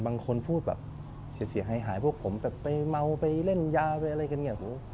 บางคนพูดแบบเสียยพวกผมอล่ะไปเมาไปเล่นยาวอะไร